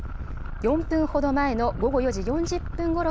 ４分ほど前の午後４時４０分ごろ